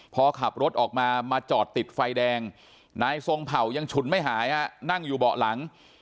พอขับรถออกมามาจอดติดไฟแดงนายทรงเผ่ายังฉุนไม่หายฮะนั่งอยู่เบาะหลัง